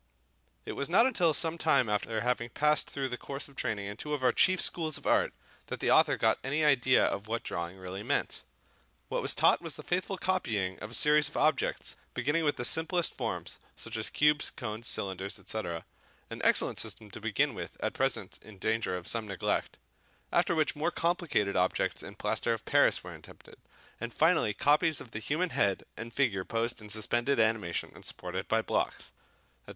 It was not until some time after having passed through the course of training in two of our chief schools of art that the author got any idea of what drawing really meant. What was taught was the faithful copying of a series of objects, beginning with the simplest forms, such as cubes, cones, cylinders, &c. (an excellent system to begin with at present in danger of some neglect), after which more complicated objects in plaster of Paris were attempted, and finally copies of the human head and figure posed in suspended animation and supported by blocks, &c.